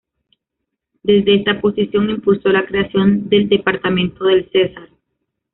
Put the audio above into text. Desde esta posición impulsó la creación del departamento del Cesar.